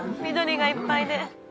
緑がいっぱいで。